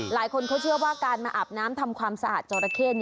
หลายคนเขาเชื่อว่าการมาอาบน้ำทำความสะอาดจอราเข้